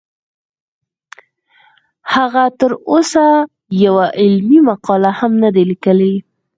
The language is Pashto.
هغه تر اوسه یوه علمي مقاله هم نه ده لیکلې